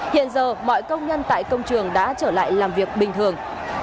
hiện giờ mọi công nhân tại công trường đã trở lại làm việc bình thường